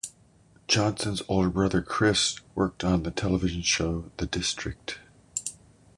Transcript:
Johnson's older brother Chris worked on the television show "The District".